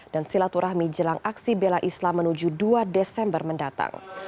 dan silaturahmi jelang aksi bela islam menuju dua desember mendatang